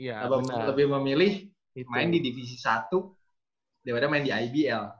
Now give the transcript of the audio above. lebih memilih main di divisi satu daripada main di ibl